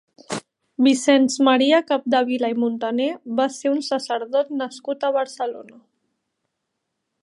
Vicenç Maria Capdevila i Montaner va ser un sacerdot nascut a Barcelona.